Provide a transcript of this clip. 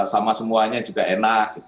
sama semuanya juga enak